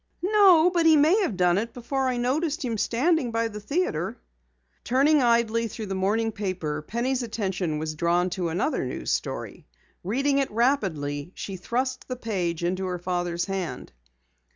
"No, but he may have done it before I noticed him standing by the theatre." Turning idly through the morning paper, Penny's attention was drawn to another news story. Reading it rapidly, she thrust the page into her father's hand.